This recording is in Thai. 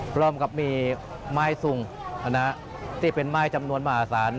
พร้อมกับมีไม้ซุงที่เป็นไม้จำนวนมหาศาล